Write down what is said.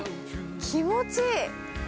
気持ちいい。